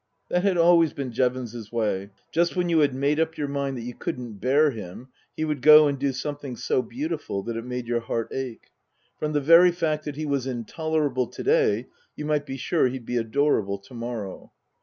That had always been Jevons's way. Just when you had made up your mind that you couldn't bear him he would go and do something so beautiful that it made your heart ache. From the very fact that he was intolerable to day you might be sure he'd be adorable to morrow.